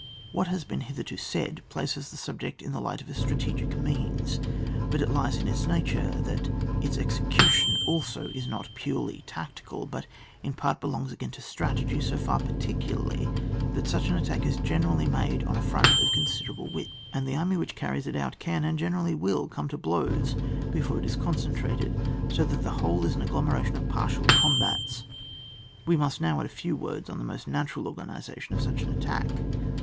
What has been hitherto said, places the subject in the light of a strategic means. But it lies in its nature that its execution also is not purely tactical, but in part belongs again to strategy so far, parttcidarly that such an attack is gene rally made on a front of considerable width, and the army which carries it out can, and generally will, come to blows be fore it is concentrated, so that the whole is an agglomeration of partial combats. We must now add a few words on the most natural organisation of such an at tack.